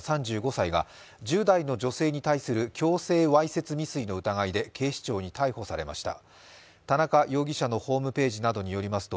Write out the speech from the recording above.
３５歳が１０代の女性に対する強制わいせつ未遂の疑いで警視庁に逮捕されました。